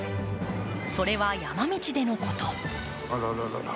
それは山道でのこと。